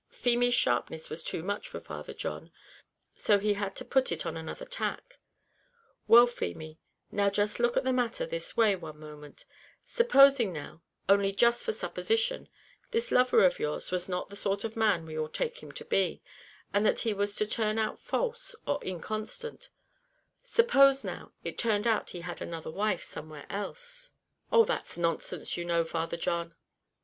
Feemy's sharpness was too much for Father John, so he had to put it on another tack. "Well, Feemy, now just look at the matter this way, one moment: supposing now only just for supposition this lover of yours was not the sort of man we all take him to be, and that he was to turn out false, or inconstant; suppose now it turned out he had another wife somewhere else " "Oh, that's nonsense, you know, Father John."